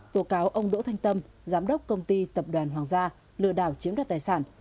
tố cáo ông đỗ thanh tâm giám đốc công ty tập đoàn hoàng gia lừa đảo chiếm đoạt tài sản